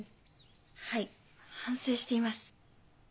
はい反省しています。